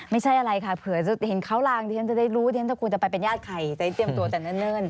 ไม่ใช่อะไรค่ะเผื่อจะเห็นเข้าลางจะได้รู้จะไปเป็นญาติใครจะได้เตรียมตัวแน่น